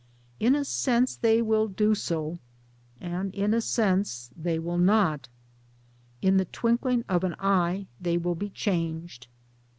In a sense they will do so, and in a sense they will 1 not. "In the twinkling of an eye they will be changed."